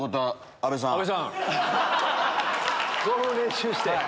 ５分練習して。